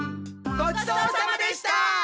ごちそうさまでした！